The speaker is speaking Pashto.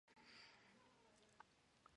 ابتکار د تمدن د ودې محرک دی.